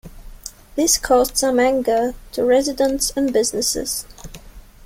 This caused some anger to residents and businesses.